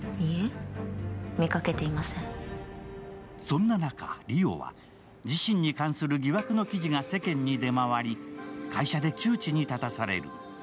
そんな中、梨央は、自身に関する疑惑の記事が世間に出回り会社で窮地に立たされる。